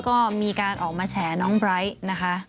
ก็มีการออกมาแฉน้องไบร์ทนะคะ